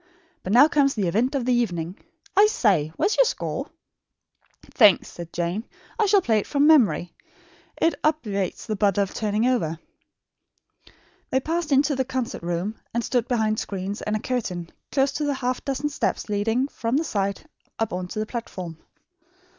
But now comes the event of the evening. I say, where is your score?" "Thanks," said Jane. "I shall play it from memory. It obviates the bother of turning over." They passed into the concert room and stood behind screens and a curtain, close to the half dozen steps leading, from the side, up on to the platform.